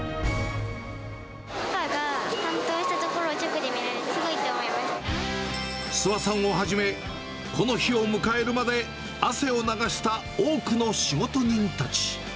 パパが担当した所がじかに見諏訪さんをはじめ、この日を迎えるまで汗を流した多くの仕事人たち。